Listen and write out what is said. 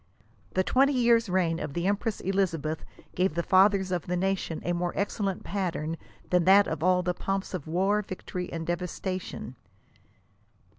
" The twenty years' reign of the empress Elizabeth gave the fathers of the nation a more ex cellent pattern than tiiat of all the pomps of war, victory and devas tation."